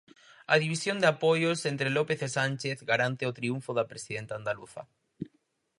A división de apoios entre López e Sánchez garante o triunfo da presidenta andaluza.